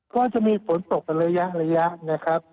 ก็จะมีฝนตกเป็นระยะนะครับ